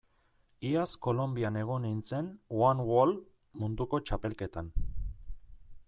Iaz Kolonbian egon nintzen one wall munduko txapelketan.